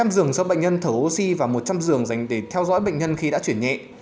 hai trăm linh giường do bệnh nhân thở oxy và một trăm linh giường dành để theo dõi bệnh nhân khi đã chuyển nhẹ